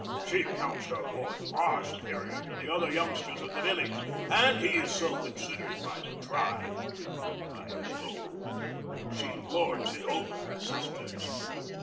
She counts her boy far superior to the other youngsters of the village, and he is so considered by the tribe. I am told she lords it over her sisters."